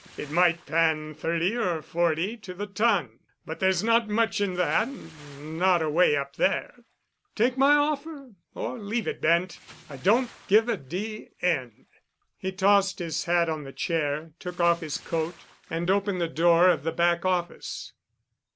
It might pan thirty or forty to the ton, but there's not much in that—not away up there. Take my offer—or leave it, Bent. I don't give a d—n." He tossed his hat on the chair, took off his coat, and opened the door of the back office.